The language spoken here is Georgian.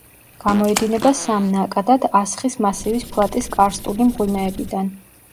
გამოედინება სამ ნაკადად ასხის მასივის ფლატის კარსტული მღვიმეებიდან.